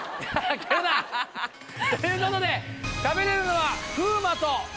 蹴るな！ということで食べれるのは。